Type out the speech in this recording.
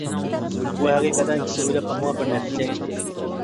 بۇ ھەقىقەتەن كىشى ئويلاپ باقمىغان بىر نەتىجە ئىدى.